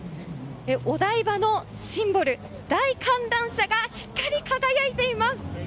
お台場のシンボル、大観覧車が光り輝いています！